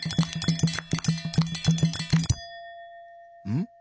ん？